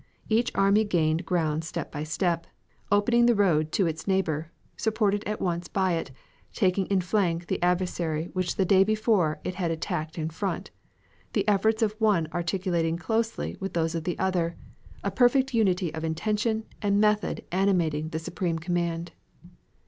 Each army gained ground step by step, opening the road to its neighbor, supported at once by it, taking in flank the adversary which the day before it had attacked in front, the efforts of one articulating closely with those of the other, a perfect unity of intention and method animating the supreme command.